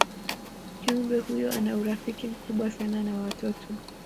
kiumbe huyo ana urafiki mkubwa sana na watoto